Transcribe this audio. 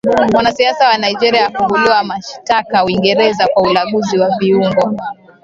Mwanasiasa wa Nigeria afunguliwa mashitaka Uingereza kwa ulanguzi wa viungo